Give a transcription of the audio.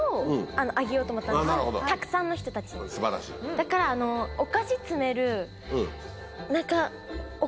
だからお菓子詰める何か。